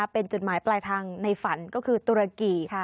เป็นจุดหมายปลายทางในฝันก็คือตุรกี